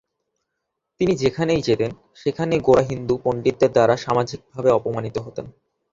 তিনি যেখানেই যেতেন সেখানেই গোঁড়া হিন্দু পণ্ডিতদের দ্বারা সামাজিকভাবে অপমানিত হতেন।